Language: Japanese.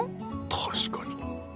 確かに。